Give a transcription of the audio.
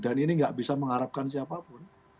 dan ini nggak bisa mengharapkan siapapun